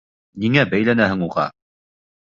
Ниңә бәйләнәһең уға?